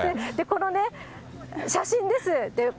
このね、写真です。